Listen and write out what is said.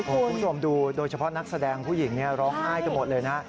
คุณผู้ชมดูโดยเฉพาะนักแสดงผู้หญิงร้องไห้กันหมดเลยนะฮะ